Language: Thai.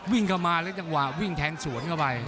วิ่งเข้ามาแล้วจังหวะวิ่งแทงสวนเข้าไป